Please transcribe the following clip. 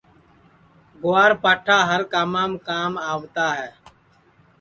گُوار پاٹھا ہر کامام کام آوتا ہے